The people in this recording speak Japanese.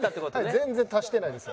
全然足してないです。